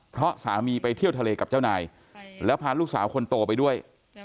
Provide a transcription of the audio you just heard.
เพราะสามีไปเที่ยวทะเลกับเจ้านายแล้วพาลูกสาวคนโตไปด้วย